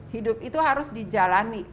hidup itu harus dijalani